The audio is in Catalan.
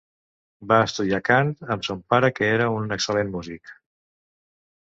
Va estudiar cant amb son pare, que era un excel·lent músic.